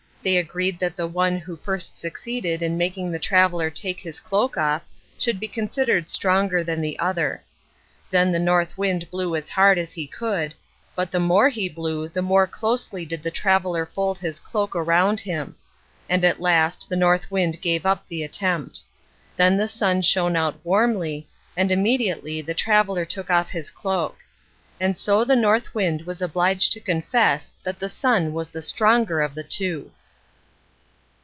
They agreed that the one who first succeeded in making the traveler take his cloak off should be considered stronger than the other. Then the North Wind blew as hard as he could, but the more he blew the more closely did the traveler fold his cloak around him; and at last the North Wind gave up the attempt. Then the Sun shined out warmly, and immediately the traveler took off his cloak. And so the North Wind was obliged to confess that the Sun was the stronger of the two.